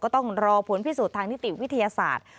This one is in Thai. ต้องรอผลพิสูจน์ทางนิติวิทยาศาสตร์